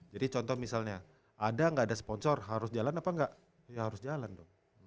jadi contoh misalnya ada gak ada sponsor harus jalan apa enggak ya harus jalan dong